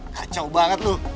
kacau banget lo